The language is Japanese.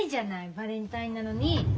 バレンタインなのに。